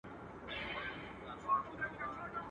د هندوستان و لور ته مه ځه.